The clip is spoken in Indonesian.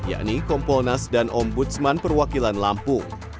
yakni kompolnas dan om budsman perwakilan lampung